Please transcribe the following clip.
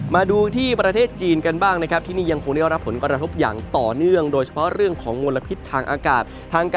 มาดูที่ประเทศจีนกันบ้างนะครับที่นี่ยังคงได้รับผลกระทบอย่างต่อเนื่อง